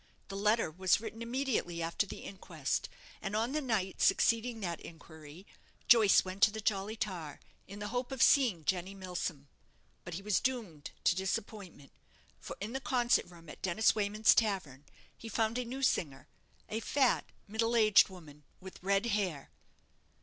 The letter was written immediately after the inquest; and on the night succeeding that inquiry, Joyce went to the 'Jolly Tar', in the hope of seeing Jenny Milsom. But he was doomed to disappointment; for in the concert room at Dennis Wayman's tavern he found a new singer a fat, middle aged woman, with red hair.